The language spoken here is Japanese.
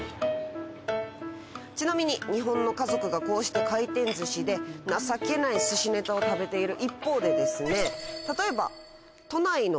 ちなみに日本の家族がこうして回転寿司で情けない寿司ネタを食べている一方でですね